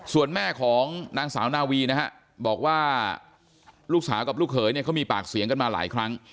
ส่วนแม่ของนางสาวนาวีนะฮะบอกว่าลูกสาวกับลูกเขยเนี่ยเขามีปากเสียงกันมาหลายครั้ง